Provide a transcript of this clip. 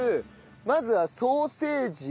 まずはソーセージをええっ！？